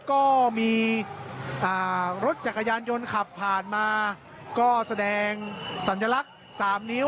ก็มีรถจักรยานยนต์ขับผ่านมาก็แสดงสัญลักษณ์๓นิ้ว